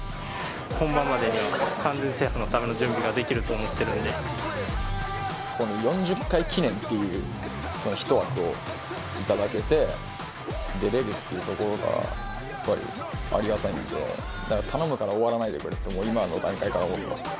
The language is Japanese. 本番までには完全制覇のための準備ができると思ってるんでこの４０回記念っていうその１枠をいただけて出れるっていうところがやっぱりありがたいんでだから頼むから終わらないでくれともう今の段階から思ってます